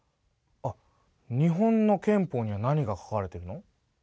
あっ日本の憲法には何が書かれてるの？